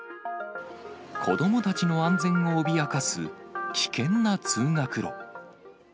子どもたちの安全を脅かす、危険な通学路。